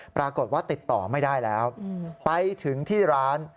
ปรากฏว่าติดต่อไม่ได้แล้วไปถึงที่ร้าน